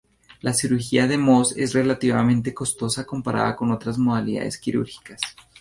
La cirugía de Mohs es relativamente costosa comparada a otras modalidades quirúrgicas.